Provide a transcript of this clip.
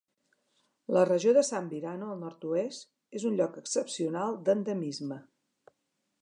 La regió de Sambirano al nord-oest és un lloc excepcional d'endemisme.